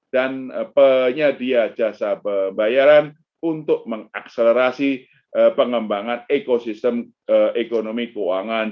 dan penyedia jasa pembayaran untuk mengakselerasi pengembangan ekosistem ekonomi keuangan